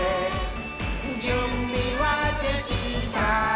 「じゅんびはできた？